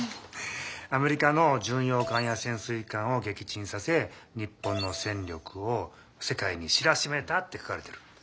「アメリカの巡洋艦や潜水艦を撃沈させ日本の戦力を世界に知らしめた」って書かれてる。